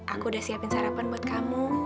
aku udah siapin sarapan buat kamu